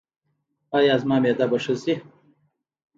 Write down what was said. ایا زما معده به ښه شي؟